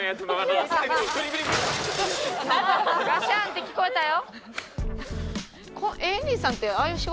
なんかガシャン！って聞こえたよ。